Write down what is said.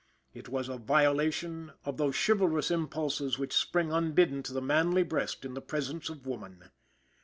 It was a violation of those chivalrous impulses which spring unbidden to the manly breast in the presence of woman.